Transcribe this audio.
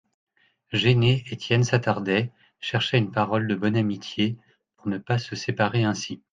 Gêné, Étienne s'attardait, cherchait une parole de bonne amitié, pour ne pas se séparer ainsi.